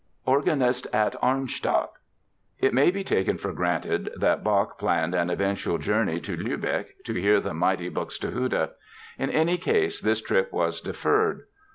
ORGANIST AT ARNSTADT It may be taken for granted that Bach planned an eventual journey to Lübeck to hear the mighty Buxtehude. In any case this trip was deferred.